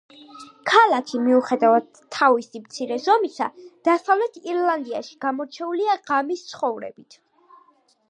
ქალაქი, მიუხედავად თავისი მცირე ზომისა, დასავლეთ ირლანდიაში გამორჩეულია ღამის ცხოვრებით.